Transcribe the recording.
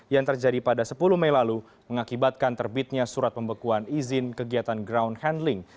yang terjadi pada sepuluh mei lalu mengakibatkan terbitnya surat pembekuan izin kegiatan ground handling